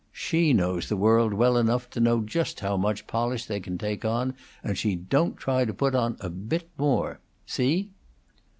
She knows the world well enough to know just how much polish they can take on, and she don't try to put on a bit more. See?"